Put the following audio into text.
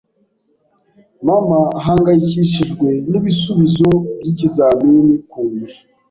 Mama ahangayikishijwe n'ibisubizo by'ikizamini kundusha.